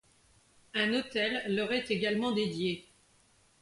Un autel leur est également dédié.